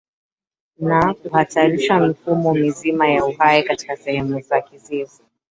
na kuhatarisha mifumo mizima ya uhai katika sehemu za Kizio